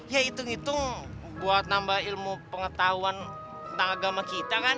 ya hitung hitung buat nambah ilmu pengetahuan tentang agama kita kan